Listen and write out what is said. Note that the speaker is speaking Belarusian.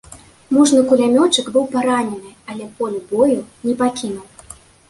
Мужны кулямётчык быў паранены, але поля бою не пакінуў.